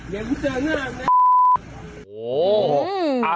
อยากจะเจอหน้า